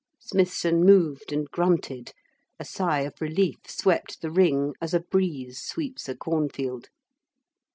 Smithson moved and grunted. A sigh of relief swept the ring as a breeze sweeps a cornfield.